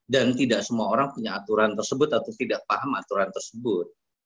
dan tidak semua orang punya aturan tersebut atau tidak paham aturan tersebut